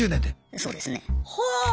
そうですね。